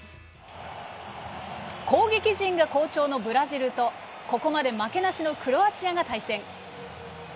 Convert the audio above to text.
攻撃陣が好調のブラジルとここまで負けなしのクロアチアが対戦。